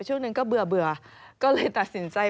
ช่วงหนึ่งก็เบื่อก็เลยตัดสินใจ